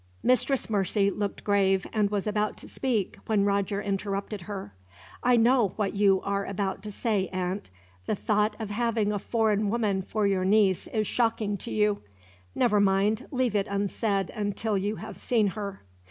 Mistress Mercy looked grave, and was about to speak, when Roger interrupted her. "I know what you are about to say, aunt. The thought of having a foreign woman for your niece is shocking to you. Never mind, leave it unsaid, until you have seen her.